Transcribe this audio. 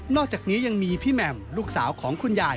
อกจากนี้ยังมีพี่แหม่มลูกสาวของคุณยาย